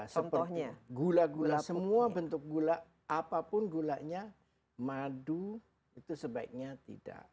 contohnya gula gula semua bentuk gula apapun gulanya madu itu sebaiknya tidak